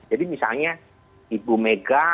jadi misalnya ibu mega